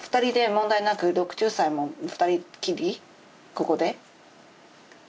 ここで？